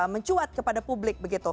mencuat kepada publik